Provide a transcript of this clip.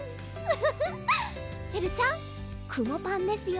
フフフッエルちゃんくもパンですよ